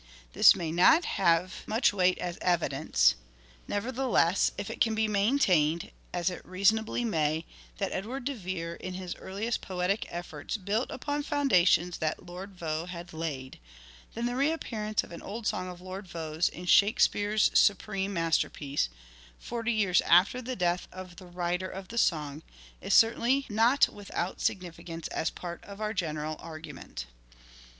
This may not have LYRIC POETRY OF EDWARD DE VERE 171 much weight as evidence. Nevertheless, if it can be maintained, as it reasonably may, that Edward de Vere in his earliest poetic efforts built upon foundations that Lord Vaux had laid, then the reappearance of an old song of Lord Vaux', in Shakespeare's supreme masterpiece, forty years after the death of the writer of the song, is certainly not without significance as part of our general argument.